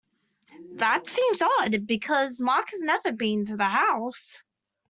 That seems odd because Mark has never been to the house.